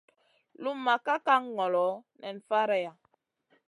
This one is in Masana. Lumʼma ka kan ŋolo, nan faraiya.